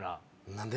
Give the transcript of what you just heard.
何で？